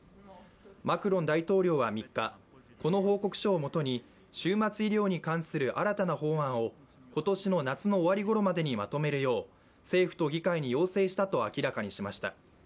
マクロン大統領は３日、この報告書をもとに終末医療に関する新たな法案を今年の夏の終わりごろまでにまとめるよう政府と議会に要請したと明らかにしました。